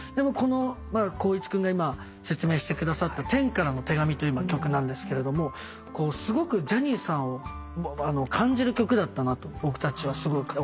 光一君が今説明してくださった『天からの手紙』という曲なんですけれどもすごくジャニーさんを感じる曲だったなと僕たちはすごく思っていて。